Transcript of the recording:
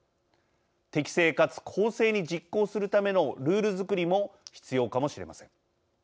適正かつ公正に実行するためのルール作りも必要かもしれません。